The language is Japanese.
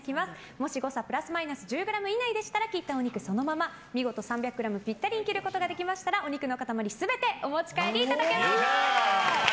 もし誤差プラスマイナス１０ｇ以内であれば切ったお肉をそのまま見事３００ｇぴったりに切ることができましたらお肉の塊全てお持ち帰りいただけます。